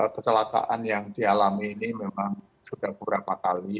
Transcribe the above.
kecelakaan yang dialami ini memang sudah beberapa kali